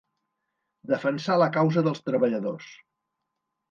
Defensar la causa dels treballadors.